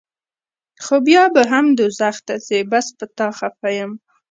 خو بیا به هم دوزخ ته ځې بس پۀ تا خفه يم